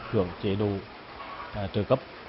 hưởng chế độ trợ cấp